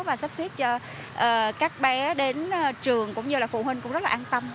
và sắp xếp cho các bé đến trường cũng như là phụ huynh cũng rất là an tâm